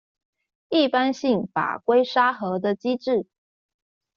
一般性法規沙盒的機制